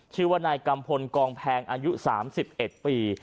ชื่อว่านายกัมพลกองแพงอายุ๓๑ปี